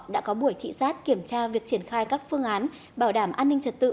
đã có buổi thị sát kiểm tra việc triển khai các phương án bảo đảm an ninh trật tự